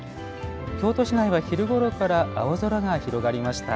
京都市内は昼ごろから青空が広がりました。